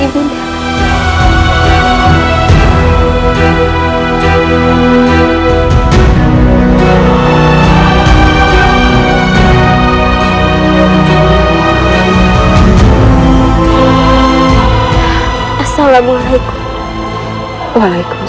ibu nang akan selamatkan ibu